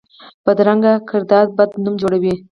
بدرنګه کردار بد نوم جوړوي